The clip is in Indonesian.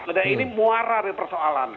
nah ini muara dari persoalan